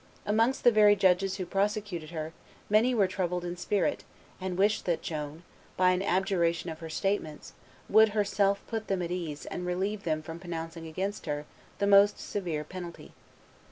Amongst the very judges who prosecuted her, many were troubled in spirit, and wished that Joan, by an abjuration of her statements, would herself put them at ease and relieve them from pronouncing against her the most severe penalty.